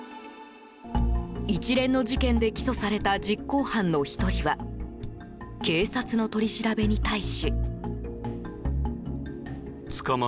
一連の事件で起訴された実行犯の１人は警察の取り調べに対し。